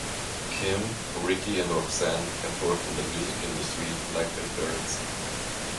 Kim, Ricky and Roxanne have worked in the music industry, like their parents.